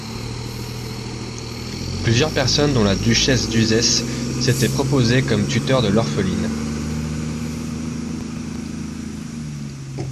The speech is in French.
Plusieurs personnes dont la duchesse d’Uzès s'étaient proposées comme tuteurs de l’orpheline.